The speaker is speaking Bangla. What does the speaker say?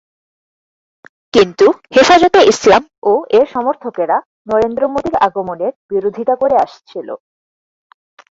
কিন্তু হেফাজতে ইসলাম ও এর সমর্থকেরা নরেন্দ্র মোদীর আগমনের বিরোধীতা করে আসছিল।